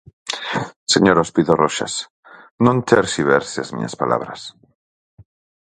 Señor Ospido Roxas, non terxiverse as miñas palabras.